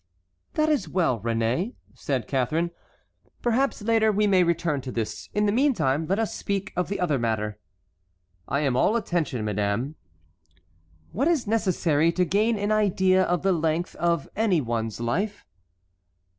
"That is well, Réné," said Catharine; "perhaps later we may return to this. In the meantime, let us speak of the other matter." "I am all attention, madame." "What is necessary to gain an idea of the length of any one's life?"